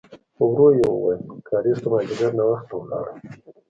ورو يې وویل: کارېز ته مازديګر ناوخته لاړم.